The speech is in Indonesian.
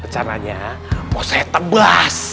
caranya mau saya tebas